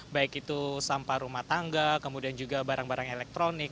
baik itu sampah rumah tangga kemudian juga barang barang elektronik